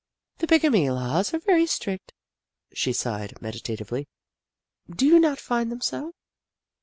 " The bigamy laws are very strict," she sighed, meditatively. " Do you not find them so